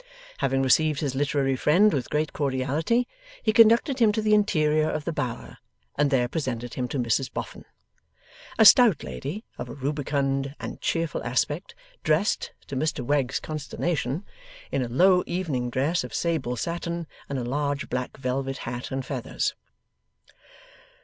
Having received his literary friend with great cordiality, he conducted him to the interior of the Bower and there presented him to Mrs Boffin: a stout lady of a rubicund and cheerful aspect, dressed (to Mr Wegg's consternation) in a low evening dress of sable satin, and a large black velvet hat and feathers.